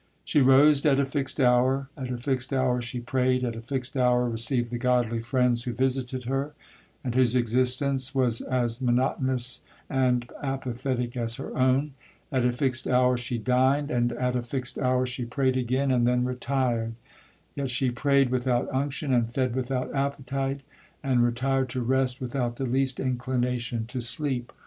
She rose at a fixed hour,—at a fixed hour she prayed,—at a fixed hour received the godly friends who visited her, and whose existence was as monotonous and apathetic as her own,—at a fixed hour she dined,—and at a fixed hour she prayed again, and then retired,—yet she prayed without unction, and fed without appetite, and retired to rest without the least inclination to sleep.